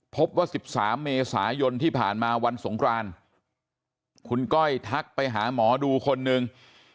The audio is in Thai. พบว่า๑๓เมษายนที่ผ่านมาวันสงครานคุณก้อยทักไปหาหมอดูคนหนึ่ง